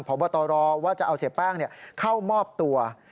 พบตรว่าจะเอาเสียแป้งเข้ามอบตัว